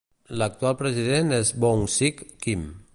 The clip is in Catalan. L'actual president és Boung-Sik, Kim.